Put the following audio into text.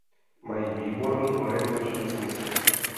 Mají výborný orientační smysl.